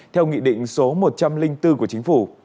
theo nghị định số một trăm linh bốn của chính phủ